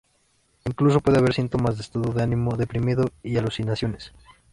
Incluso puede haber síntomas de estado de ánimo deprimido y alucinaciones.